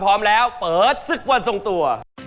พร้อมแล้วเปิดพิกัดส่งตัว